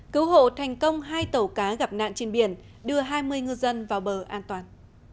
cứu hộ thành công hai tàu cá gặp nạn trên biển đưa hai mươi ngư dân vào bờ an toàn